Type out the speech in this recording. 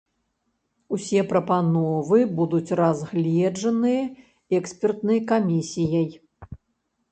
Усе прапановы будуць разгледжаныя экспертнай камісіяй.